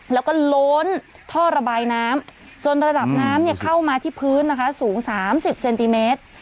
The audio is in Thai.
แล้วก็ล้นท่อระบายน้ำจนระดับน้ำเข้ามาที่พื้นนะคะสูง๓๐เซนติเมตร